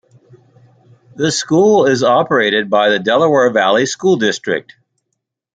The school is operated by the Delaware Valley School District.